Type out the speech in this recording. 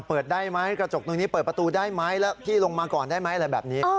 เปิดได้ไหมกระจกตรงนี้เปิดประตูได้ไหมแล้วพี่ลงมาก่อนได้ไหมอะไรแบบนี้